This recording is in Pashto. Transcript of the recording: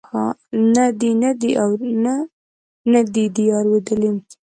نه دې دي اورېدلي.